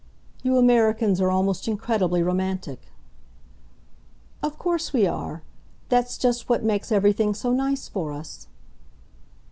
"You Americans are almost incredibly romantic." "Of course we are. That's just what makes everything so nice for us."